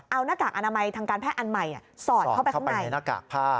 เอาหน้ากากอนามัยทางการแพทย์อันใหม่สอดเข้าไปข้างในหน้ากากผ้า